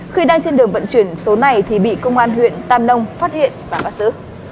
khi đang trên đường vận chuyển số này thì bị công an huyện tam nông phát hiện và bắt giữ